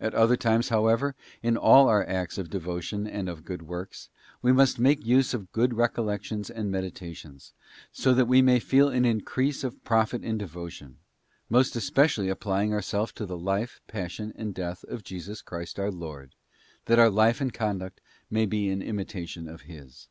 At other times, how ever, in all our acts of devotion and of good works, we must make use of good recollections and meditations, so that we may feel an increase of profit and devotion; most especially applying ourselves to the life, passion, and death of Jesus Christ our Lord, that our life and conduct may be an imita tion of His.